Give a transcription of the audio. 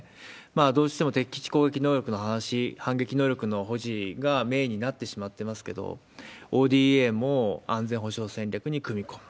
どうしても敵基地攻撃能力の話、反撃能力の保持がメインになってしまってますけど、ＯＤＡも安全保障戦略に組み込む。